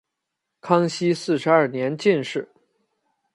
康熙四十二年进士。